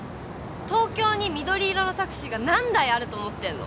東京に緑色のタクシーが何台あると思ってんの？